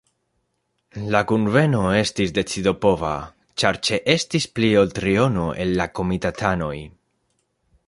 La kunveno estis decidopova, ĉar ĉeestis pli ol triono el la komitatanoj.